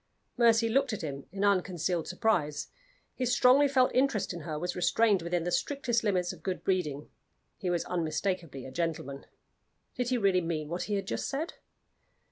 Mercy looked at him in unconcealed surprise. His strongly felt interest in her was restrained within the strictest limits of good breeding: he was unmistakably a gentleman. Did he really mean what he had just said?